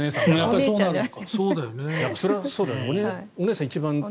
そうだよね。